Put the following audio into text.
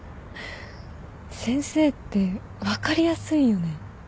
先生って分かりやすいよね。